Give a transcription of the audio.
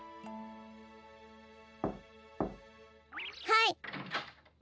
はい。